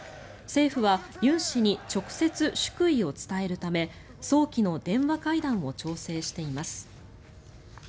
政府はユン氏に直接祝意を伝えるため早期の電話会談を調整しています。